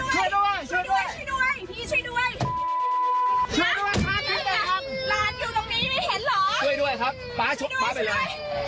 ป๊าทัศน์จับไปเลยผู้ผู้ผู้เพื่อชวนแม่งเลย